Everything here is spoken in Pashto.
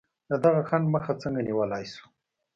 د دغه خنډ مخه څنګه نیولای شو؟